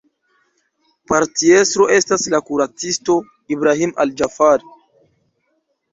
Partiestro estas la kuracisto Ibrahim al-Ĝafari.